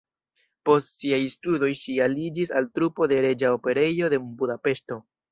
Post siaj studoj ŝi aliĝis al trupo de Reĝa Operejo de Budapeŝto.